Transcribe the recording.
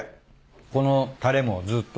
このたれもずっと。